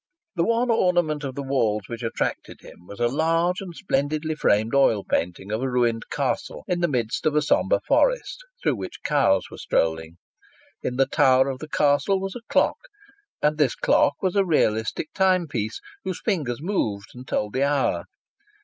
The one ornament of the walls which attracted him was a large and splendidly framed oil painting of a ruined castle, in the midst of a sombre forest, through which cows were strolling. In the tower of the castle was a clock, and this clock was a realistic timepiece, whose fingers moved and told the hour.